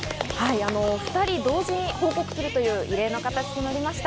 ２人同時に報告するという異例の形となりました。